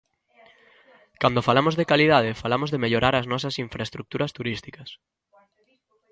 Cando falamos de calidade, falamos de mellorar as nosas infraestruturas turísticas.